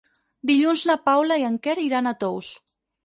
Dilluns na Paula i en Quer iran a Tous.